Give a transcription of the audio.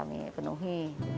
saya juga bisa mencoba